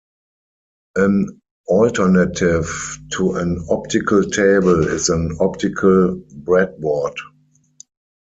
An alternative to an optical table is an optical breadboard.